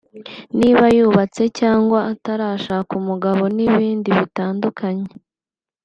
niba yubatse cyangwa atarashaka umugabo n'ibindi bitandukanye